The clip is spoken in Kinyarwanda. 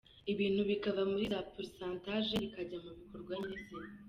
ibintu bikava muri za % bikajya mu bikorwa nyirizina.